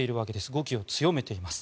語気を強めています。